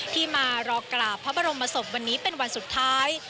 ที่มารอกราบพระบรมศพวันนี้เป็นวันสุดท้าย